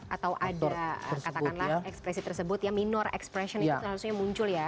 atau ada katakanlah ekspresi tersebut ya minor expression itu seharusnya muncul ya